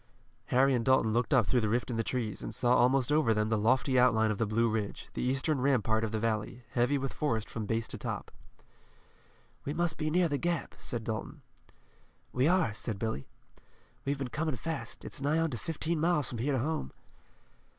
Harry and Dalton looked up through the rift in the trees, and saw almost over them the lofty outline of the Blue Ridge, the eastern rampart of the valley, heavy with forest from base to top. "We must be near the Gap," said Dalton. "We are," said Billy. "We've been coming fast. It's nigh on to fifteen miles from here to home."